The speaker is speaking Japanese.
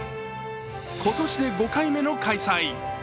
今年で５回目の開催。